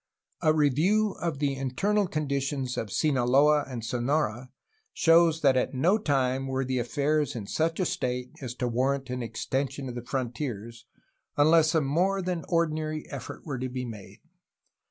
A review of the internal conditions of Sinaloa and Sonora shows that at no time were affairs in such a state as to war rant an extension of the frontiers, unless a more than ordinary effort were to be made.